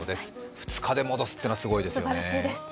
２日で戻すというのは、すごいですよね。